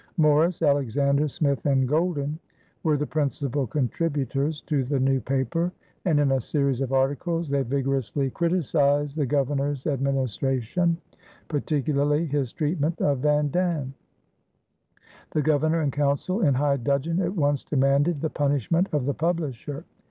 Morris, Alexander, Smith, and Golden were the principal contributors to the new paper, and in a series of articles they vigorously criticized the Governor's administration, particularly his treatment of Van Dam. The Governor and Council in high dudgeon at once demanded the punishment of the publisher.